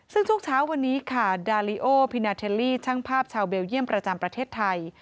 ซึ่งช่วงเช้าวันนี้ค่ะดาลิโอพินาเทลลี่ช่างภาพชาวเบลเยี่ยมประจำประเทศไทย